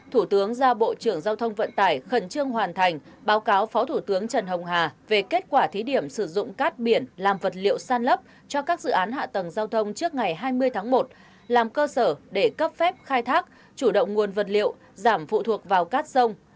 thủ tướng ra bộ trưởng giao thông vận tải khẩn trương hoàn thành báo cáo phó thủ tướng trần hồng hà về kết quả thí điểm sử dụng cát biển làm vật liệu san lấp cho các dự án hạ tầng giao thông trước ngày hai mươi tháng một làm cơ sở để cấp phép khai thác chủ động nguồn vật liệu giảm phụ thuộc vào cát sông